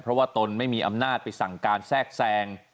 เพราะว่าตนไม่มีอำนาจไปสั่งการแทรกแทรง